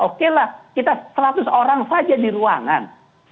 oke lah kita seratus orang saja di ruangan